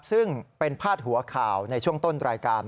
ซึ่งเป็นพาดหัวข่าวในช่วงต้นรายการ